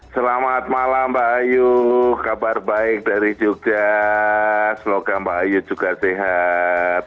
selamat malam mbak ayu kabar baik dari jogja selamat malam mbak ayu jogja sehat